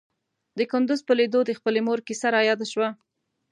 د کندوز په ليدو د خپلې مور کيسه راياده شوه.